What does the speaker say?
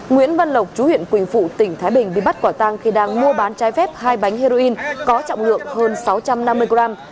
nguyễn văn lộc chú huyện quỳnh phụ tỉnh thái bình bị bắt quả tang khi đang mua bán trái phép hai bánh heroin có trọng lượng hơn sáu trăm năm mươi gram